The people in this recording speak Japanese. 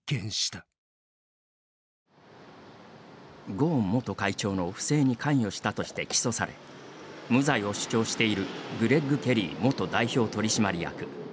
ゴーン元会長の不正に関与したとして起訴され無罪を主張しているグレッグ・ケリー元代表取締役。